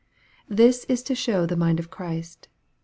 This is to show the mind of Christ.